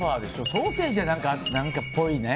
ソーセージは何かっぽいね。